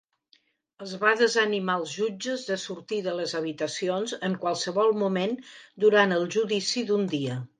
Es va desanimar als jutges de sortir de les habitacions en qualsevol moment durant el judici d'un dia.